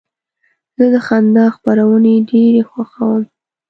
زه د خندا خپرونې ډېرې خوښوم.